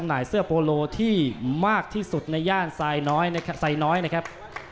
กลุ่มหน่ายเสื้อโปโลที่มากที่สุดในย่านสายน้อยนะครับ